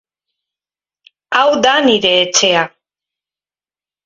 Hau da nire etxea